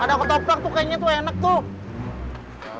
ada kotak kotak tuh kayaknya enak tuh